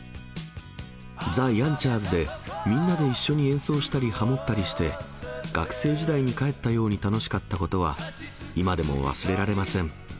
ザ・ヤンチャーズで、みんなで一緒に演奏したり、ハモったりして、学生時代に帰ったように楽しかったことは、今でも忘れられません。